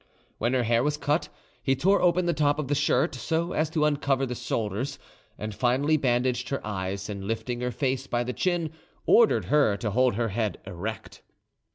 When her hair was cut, he tore open the top of the shirt, so as to uncover the shoulders, and finally bandaged her eyes, and lifting her face by the chin, ordered her to hold her head erect.